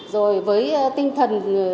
rồi với tinh thần